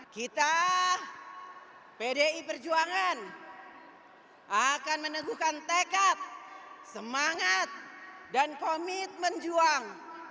kita pdi perjuangan akan meneguhkan tekad semangat dan komitmen juang